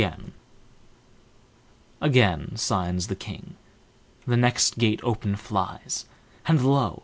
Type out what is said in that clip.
Again signs the king, The next gate open flies, And, lo!